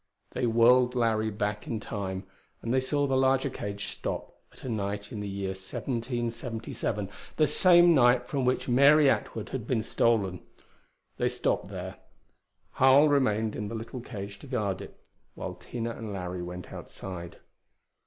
They whirled Larry back into Time, and they saw the larger cage stop at a night in the year 1777 the same night from which Mary Atwood had been stolen. They stopped there. Harl remained in the little cage to guard it, while Tina and Larry went outside.